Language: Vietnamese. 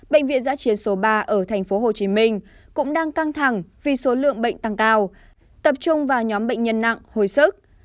bệnh viện giã chiến số ba ở tp hcm cũng đang căng thẳng vì số lượng bệnh tăng cao tập trung vào nhóm bệnh nhân nặng hồi sức